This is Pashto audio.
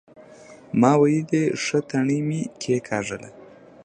ما ويلې ښه تڼۍ مې کېکاږله.